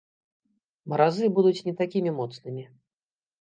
Маразы будуць не такімі моцнымі.